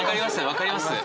分かります！